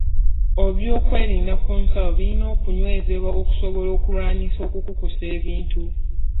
Obyokwerinda ku nsalo birina okunywezebwa okusobola okulwanyisa okukukusa ebintu.